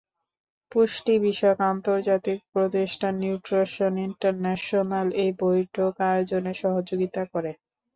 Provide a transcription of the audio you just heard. পুষ্টিবিষয়ক আন্তর্জাতিক প্রতিষ্ঠান nutrition international এই বৈঠক আয়োজনে সহযোগিতা করে।